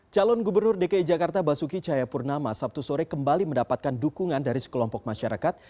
calon gubernur dki jakarta basuki cahayapurnama sabtu sore kembali mendapatkan dukungan dari sekelompok masyarakat